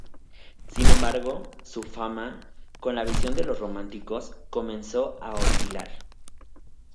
Sin embargo, su fama, con la visión de los románticos, comenzó a oscilar.